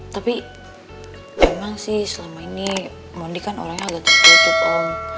tapi memang sih selama ini mondi kan orangnya agak tertutup om